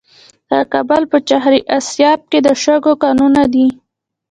د کابل په چهار اسیاب کې د شګو کانونه دي.